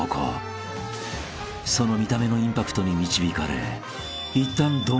［その見た目のインパクトに導かれ］